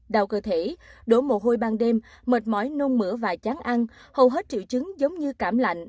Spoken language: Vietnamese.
đau cơ thể đổ mồ hôi ban đêm mệt mỏi nôn mửa và chán ăn hầu hết triệu chứng giống như cảm lạnh